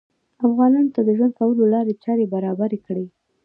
افغانانو ته د ژوند کولو لارې چارې برابرې کړې